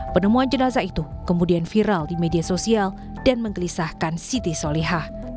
penemuan jenazah itu kemudian viral di media sosial dan menggelisahkan siti soleha